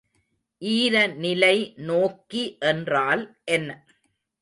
ஈரநிலைநோக்கி என்றால் என்ன?